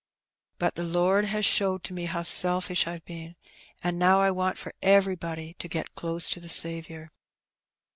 But the Lord has showed to me how selfish I've been, an' now I want for everybody to get close to the Saviour."